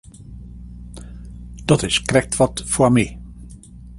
Dat is krekt wat foar my.